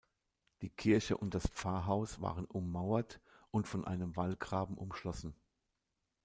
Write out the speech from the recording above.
Die Kirche und das Pfarrhaus waren ummauert und von einem Wallgraben umschlossen.